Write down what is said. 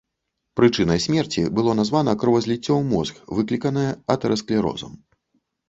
Прычынай смерці было названа кровазліццё ў мозг, выкліканае атэрасклерозам.